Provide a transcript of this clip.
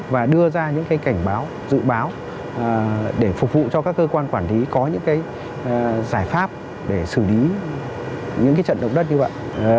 và đưa ra những cảnh báo dự báo để phục vụ cho các cơ quan quản lý có những cái giải pháp để xử lý những trận động đất như vậy